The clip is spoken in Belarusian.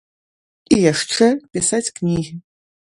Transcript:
І яшчэ пісаць кнігі.